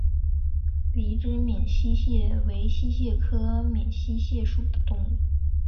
鼻肢闽溪蟹为溪蟹科闽溪蟹属的动物。